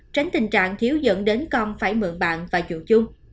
tránh tình trạng thiếu dẫn đến con phải mượn bạn và dụ chung